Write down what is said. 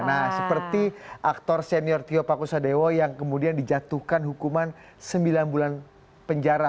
nah seperti aktor senior tio pakusadewo yang kemudian dijatuhkan hukuman sembilan bulan penjara